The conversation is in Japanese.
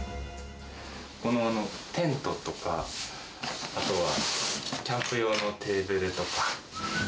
このテントとか、あとはキャンプ用のテーブルとか。